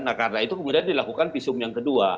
nah karena itu kemudian dilakukan visum yang kedua